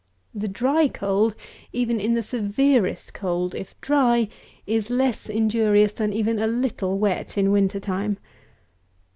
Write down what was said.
The dry cold, even in the severest cold, if dry, is less injurious than even a little wet in winter time.